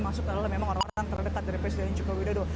masuk adalah memang orang orang terdekat dari presiden joko widodo